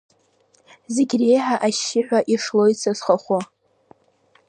Зегь реиҳа ашьшьыҳәа ишлоит са схахәы.